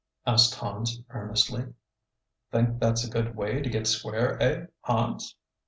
asked Hans earnestly. "Think that's a good way to get square, eh, Hans?"